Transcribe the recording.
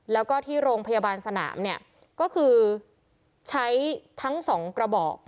แล้วก็ที่โรงพยาบาลสนามเนี่ยก็คือใช้ทั้งสองกระบอก